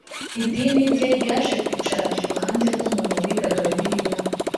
idini rye yaje kwicara iruhande rw umuntu wigaga bibiliya